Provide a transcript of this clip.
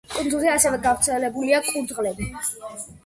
კუნძულზე ასევე გავრცელებულია კურდღლები.